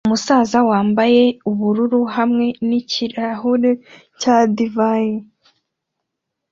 Umusaza wambaye ubururu hamwe nikirahure cya divayi